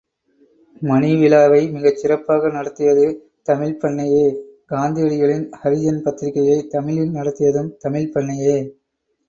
மணிவிழாவை மிகச் சிறப்பாக நடத்தியது தமிழ்ப் பண்ணையே காந்தியடிகளின் ஹரிஜன் பத்திரிகையைத் தமிழில் நடத்தியதும் தமிழ்ப் பண்ணையே!